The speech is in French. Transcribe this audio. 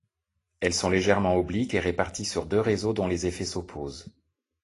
Elles sont légèrement obliques et réparties sur deux réseaux dont les effets s'opposent.